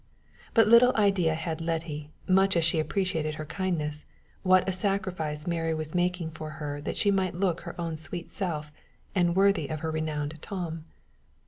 But little idea had Letty, much as she appreciated her kindness, what a sacrifice Mary was making for her that she might look her own sweet self, and worthy of her renowned Tom!